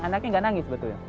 anaknya enggak nangis betul